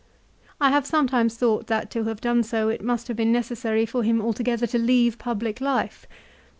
I have sometimes thought that to have done so it must have been necessary for him alto gether to leave public life.